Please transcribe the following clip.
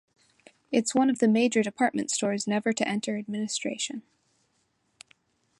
Its One Of The Major Department Stores Never To Enter Administration.